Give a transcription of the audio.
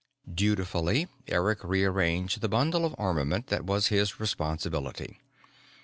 Dutifully, Eric rearranged the bundle of armament that was his responsibility.